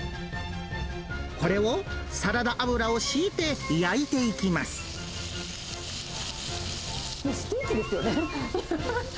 これをサラダ油を敷いて焼いていもうステーキですよね。